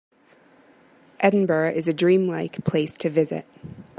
Edinburgh is a dream-like place to visit.